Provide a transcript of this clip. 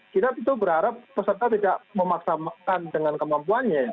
kita itu berharap peserta tidak memaksakan dengan kemampuannya